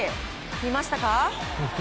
見ましたか？